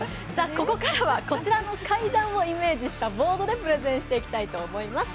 ここからはこちらの階段をイメージしたボードでプレゼンしていきたいと思います。